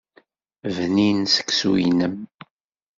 Bnin seksu-inem.